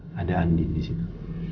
menurut saya ada andin di situ